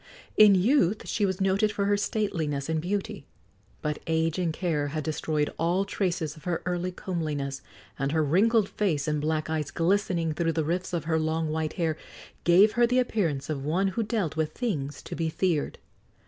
In youth she was noted for her stateliness and beauty; but age and care had destroyed all traces of her early comeliness, and her wrinkled face, and black eyes glistening through the rifts of her long, white hair, gave her the appearance of one who dealt with things to be feared.